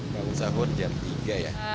bangun sahur jam tiga ya